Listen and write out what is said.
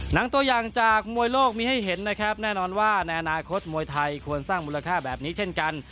หนังตัวอย่างจากมวยโลกมีให้เห็นนะครับแน่นอนว่าในอนาคตมวยไทยควรสร้างมูลค่าแบบนี้เช่นกัน